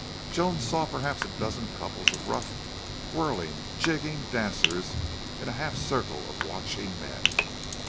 Joan saw perhaps a dozen couples of rough, whirling, jigging dancers in a half circle of watching men.